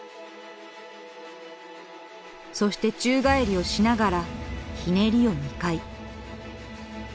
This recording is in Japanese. そして宙返りをしながらひねりを２回。